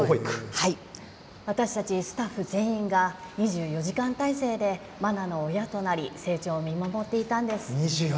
私たちスタッフ全員が２４時間体制で、マナの親となり成長を見守っていたんです。